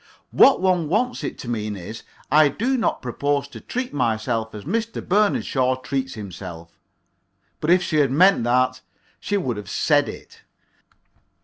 What one wants it to mean is: "I do not propose to treat myself as Mr. Bernard Shaw treats himself." But if she had meant that, she would have said it.